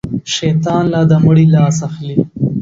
شيطان لا د مړي لاس اخلي.